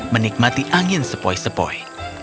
menikmati angin sepoi sepoi